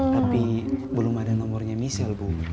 tapi belum ada nomornya michelle bu